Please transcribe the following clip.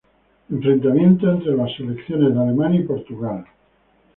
Enfrentamiento entre las selecciones de Alemania y Portugal.